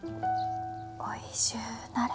おいしゅうなれ。